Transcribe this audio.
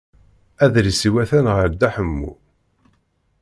Adlis-iw atan ɣer Dda Ḥemmu.